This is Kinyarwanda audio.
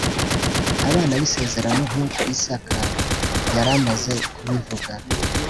abana b isezerano nk uko isaka yari ameze kubivuga